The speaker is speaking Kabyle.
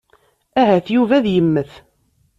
Ahat Yuba ad yemmet.